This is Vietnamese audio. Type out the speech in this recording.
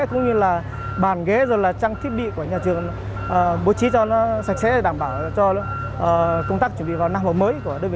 cũng như là bàn ghế trang thiết bị